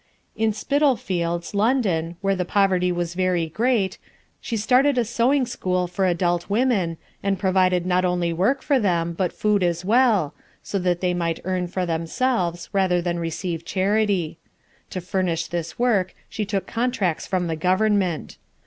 In Spitalfields, London, where the poverty was very great, she started a sewing school for adult women, and provided not only work for them, but food as well, so that they might earn for themselves rather than receive charity. To furnish this work, she took contracts from the government.